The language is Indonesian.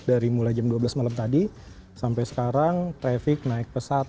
dari mulai jam dua belas malam tadi sampai sekarang traffic naik pesat